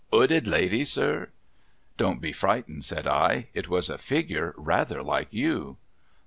"Ooded lady, sir?' ' Don't be frightened,' said I. ' It was a figure rather like you.'